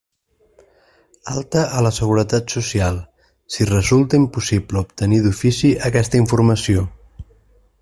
Alta a la Seguretat Social, si resulta impossible obtenir d'ofici aquesta informació.